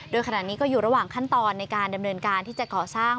โดยขณะนี้ก็อยู่ระหว่างขั้นตอนในการดำเนินการที่จะก่อสร้าง